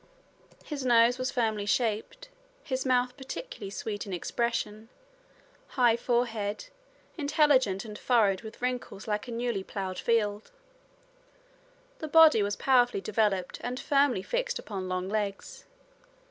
His nose was firmly shaped, his mouth particularly sweet in expression, high forehead, intelligent and furrowed with wrinkles like a newly plowed field. The body was powerfully developed and firmly fixed upon long legs.